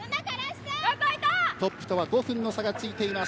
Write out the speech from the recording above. トップとは５分の差がついています。